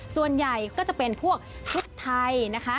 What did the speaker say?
ส่วนใหญ่ก็จะเป็นพวกชุดไทยนะคะ